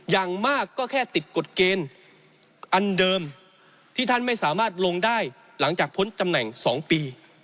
อย่างมากก็แค่ติดกฎเกณฑ์อันเดิมที่ท่านไม่สามารถลงได้หลังจากพ้นตำแหน่ง๒ปี